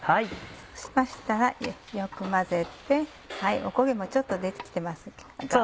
そうしましたらよく混ぜてお焦げもちょっと出来てます。